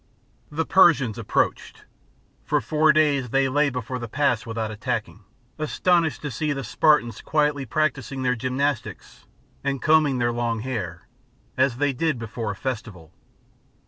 The Persians approached. For four days they lay before the pass without attacking, astonished to see the Spartans quietly practising their gymnastics and combing their long hair, as they did before a festival.